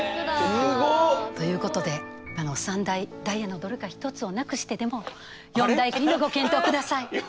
すごっ！ということで三大ダイヤのどれか１つをなくしてでも四大化ご検討下さい。